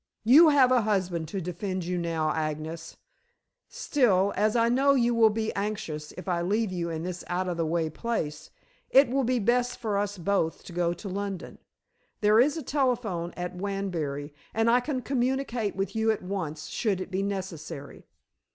"You have a husband to defend you now, Agnes. Still, as I know you will be anxious if I leave you in this out of the way place, it will be best for us both to go to London. There is a telephone at Wanbury, and I can communicate with you at once should it be necessary."